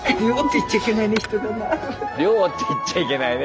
量って言っちゃいけないね。